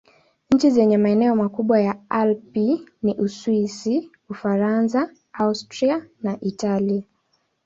Nchi zenye maeneo makubwa ya Alpi ni Uswisi, Ufaransa, Austria na Italia.